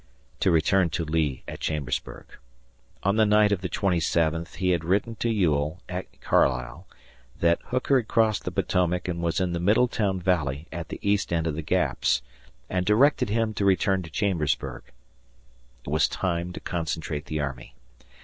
To return to Lee at Chambersburg. On the night of the twenty seventh he had written to Ewell at Carlisle that Hooker had crossed the Potomac and was in the Middletown Valley at the east end of the Gaps, and directed him to return to Chambersburg. It was time to concentrate the army.